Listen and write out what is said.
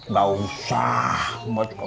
gak usah mbah